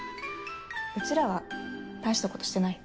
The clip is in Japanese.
うちらは大したことしてないよ。